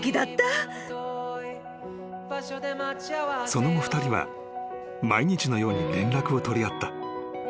☎［その後２人は毎日のように連絡を取り合った］